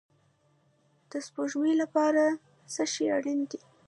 د سپوږمۍ لپاره څه شی اړین دی؟